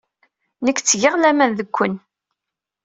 Nekk ttgeɣ laman deg Ken.